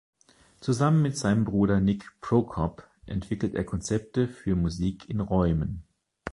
Zusammen mit seinem Bruder Nick Prokop entwickelt er Konzepte für Musik in Räumen.